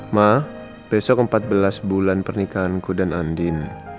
ma besok empat belas bulan pernikahanku dan andin